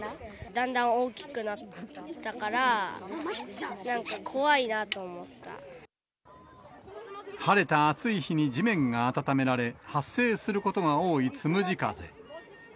だんだん大きくなったから、晴れた暑い日に地面が暖められ、発生することが多いつむじ風。